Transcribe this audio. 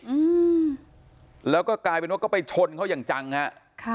อืมแล้วก็กลายเป็นว่าก็ไปชนเขาอย่างจังฮะค่ะ